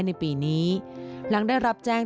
ในปีนี้หลังได้รับแจ้ง